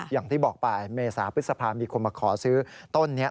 อย่างที่บอกไปเมษาพฤษภามีคนมาขอซื้อต้นนี้